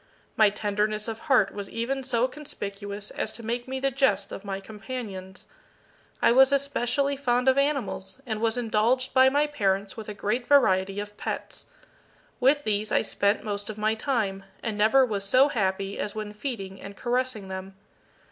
My tenderness of heart was even so conspicuous as to make me the jest of my companions. I was especially fond of animals, and was indulged by my parents with a great variety of pets. With these I spent most of my time, and never was so happy as when feeding and caressing them.